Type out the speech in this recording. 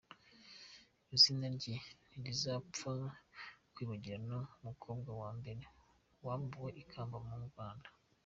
Izina rye ntirizapfa kwibagirana nk’umukobwa wa mbere wambuwe ikamba mu Rwanda.